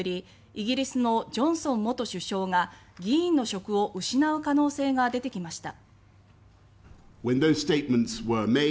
イギリスのジョンソン元首相が議員の職を失う可能性が出てきました。